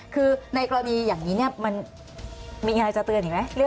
คือในกรณีอย่างนี้มันมีอะไรจะเตือนอีกไหม